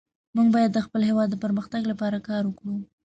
موږ باید د خپل هیواد د پرمختګ لپاره کار وکړو